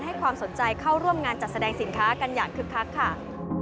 ให้ความสนใจเข้าร่วมงานจัดแสดงสินค้ากันอย่างคึกคักค่ะ